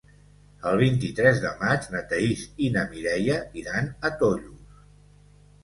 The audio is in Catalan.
El vint-i-tres de maig na Thaís i na Mireia iran a Tollos.